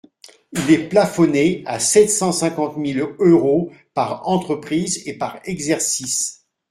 Il est plafonné à sept cent cinquante mille euros par entreprise et par exercice.